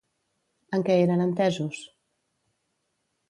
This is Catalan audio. En què eren entesos?